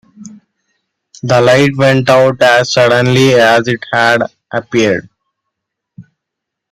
The light went out as suddenly as it had appeared.